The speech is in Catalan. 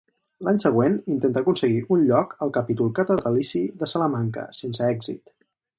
L'any següent intenta aconseguir un lloc al capítol catedralici de Salamanca, sense èxit.